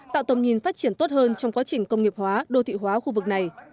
tạo tầm nhìn phát triển tốt hơn trong quá trình công nghiệp hóa đô thị hóa khu vực này